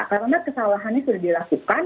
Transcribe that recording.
karena kesalahannya sudah dilakukan